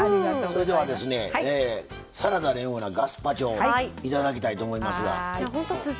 それでは、サラダのようなガスパチョをいただきたいと思います。